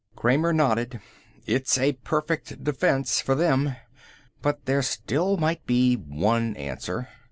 Kramer nodded. "It's a perfect defense, for them. But there still might be one answer."